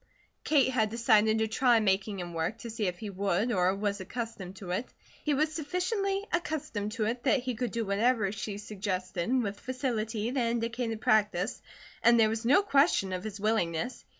Kate had decided to try making him work, to see if he would, or was accustomed to it. He was sufficiently accustomed to it that he could do whatever she suggested with facility that indicated practice, and there was no question of his willingness.